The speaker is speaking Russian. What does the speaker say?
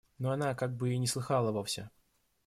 Но она как бы и не слыхала вовсе.